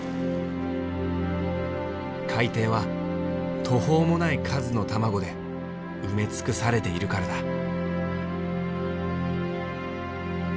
海底は途方もない数の卵で埋め尽くされているからだ。